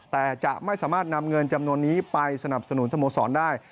แต่จะไม่สามารถนำเงินจำนวนนี้ไปสนับสนุนสโมสรได้